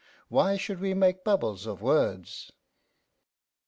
why should we make bubbles of words?